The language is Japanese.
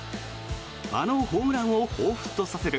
あのホームランをほうふつとさせる